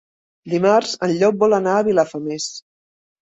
Dimarts en Llop vol anar a Vilafamés.